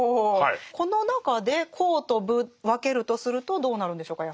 この中で「公」と「武」分けるとするとどうなるんでしょうか？